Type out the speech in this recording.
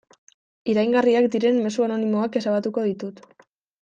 Iraingarriak diren mezu anonimoak ezabatuko ditut.